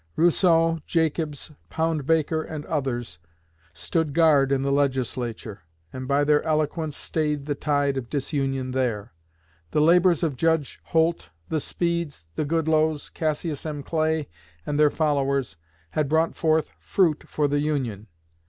Rousseau, Jacobs, Poundbaker, and others, stood guard in the Legislature, and by their eloquence stayed the tide of disunion there. The labors of Judge Holt, the Speeds, the Goodloes, Cassius M. Clay, and their followers, had brought forth fruit for the Union.